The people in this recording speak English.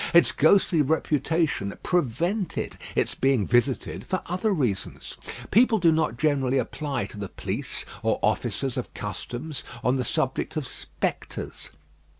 Its ghostly reputation prevented its being visited for other reasons. People do not generally apply to the police, or officers of customs, on the subject of spectres.